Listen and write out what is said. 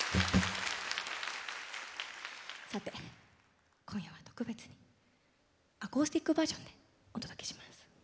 さて今夜は特別にアコースティックバージョンでお届けします。